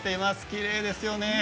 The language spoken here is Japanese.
きれいですよね。